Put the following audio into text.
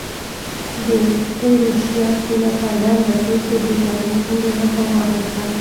د ایروشیا سیمه څرګنده کړي چې برېټانیا څنګه ګټه واخیسته.